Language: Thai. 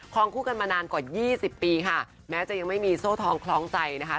คู่กันมานานกว่ายี่สิบปีค่ะแม้จะยังไม่มีโซ่ทองคล้องใจนะคะ